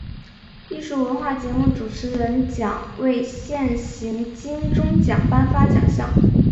艺术文化节目主持人奖为现行金钟奖颁发奖项。